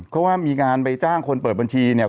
ถ้ามีงานไปจ้างคนเปิดบัญชีเนี่ย